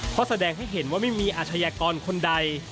เพราะแสดงให้เห็นว่าไม่มีอาชญากรคนใด